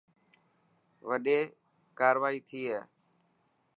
وڏي ڪارورائي ٿي هي.